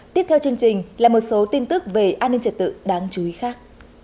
tiếp theo chương trình là một số tin tức về an ninh trật tự đáng chú ý khác